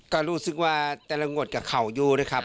ก็รู้สึกว่าแต่ละงวดกับเขาอยู่นะครับ